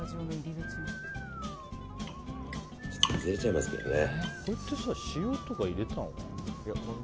ちょっと崩れちゃいますけどね。